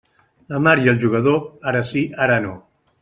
La mar i el jugador, ara sí, ara no.